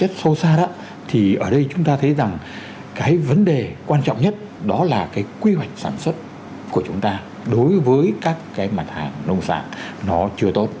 rất sâu xa đó thì ở đây chúng ta thấy rằng cái vấn đề quan trọng nhất đó là cái quy hoạch sản xuất của chúng ta đối với các cái mặt hàng nông sản nó chưa tốt